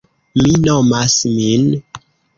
Mi nomas min.